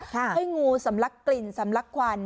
ให้งูสำลักกลิ่นสำลักควัน